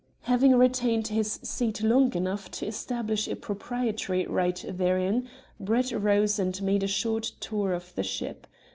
Having retained his seat long enough to establish a proprietary right therein, Brett rose and made a short tour of the ship.